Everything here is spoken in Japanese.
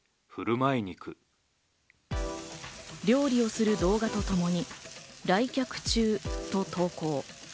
料理をする動画とともに、来客中と投稿。